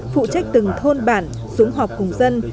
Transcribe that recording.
phụ trách từng thôn bản xuống họp cùng dân